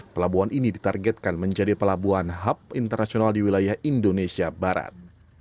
pelabuhan ini ditargetkan menjadi pelabuhan hub internasional di wilayah indonesia barat